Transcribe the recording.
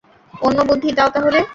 অন্য বুদ্ধি দাও তাহলে।